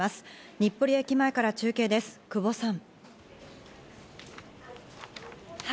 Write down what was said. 日暮里駅前から中継です、久保さん。